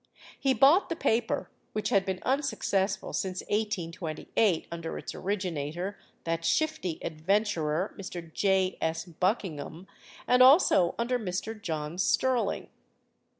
He bought the paper, which had been unsuccessful since 1828 under its originator, that shifty adventurer, Mr. J. S. Buckingham, and also under Mr. John Sterling.